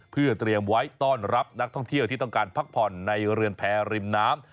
เพื่อเตรียมไว้ต้อนรับนักท่องเที่ยวที่ต้องการพักผ่อนในเรือนแพรริมน้ำ